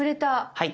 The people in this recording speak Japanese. はい。